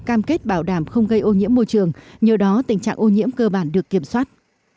cam kết bảo đảm không gây ô nhiễm môi trường nhờ đó tình trạng ô nhiễm cơ bản được kiểm soát